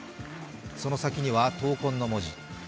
その先には闘魂の文字。